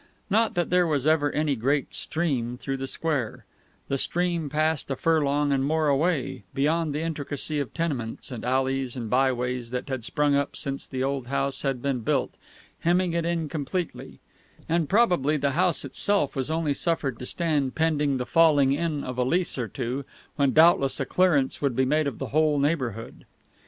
Not that there was ever any great "stream" through the square; the stream passed a furlong and more away, beyond the intricacy of tenements and alleys and byways that had sprung up since the old house had been built, hemming it in completely; and probably the house itself was only suffered to stand pending the falling in of a lease or two, when doubtless a clearance would be made of the whole neighbourhood.